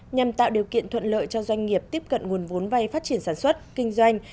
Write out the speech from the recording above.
nhằm tạo điều kiện thuận lợi cho doanh nghiệp tiếp cận nguồn vốn vay phát triển sản xuất kinh doanh